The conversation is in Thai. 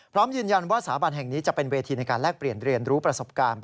พร้อมยืนยันว่าสถาบันแห่งนี้จะเป็นเวทีในการแลกเปลี่ยนเรียนรู้ประสบการณ์